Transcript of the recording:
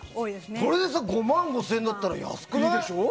これで５万５０００円だったら安くない？